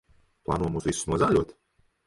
Plāno mūs visus nozāļot?